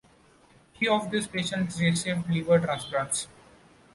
Few of these patients received liver transplants.